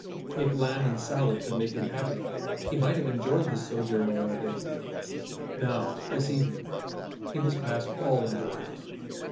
If lamb and salad could make him happy he might have enjoyed his sojourn in Newgate. Now, this evening, he was past all enjoyment.